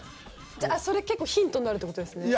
じゃあそれ結構ヒントになるってことですね